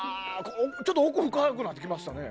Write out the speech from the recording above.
ちょっと奥深くなってきましたね。